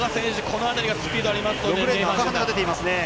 この辺りがスピードあります。